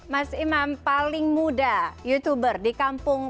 mas imam paling muda youtuber di kampung